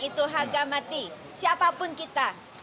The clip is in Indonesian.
itu harga mati siapapun kita